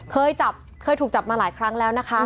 เคยจับเคยถูกจับมาหลายครั้งแล้วนะคะ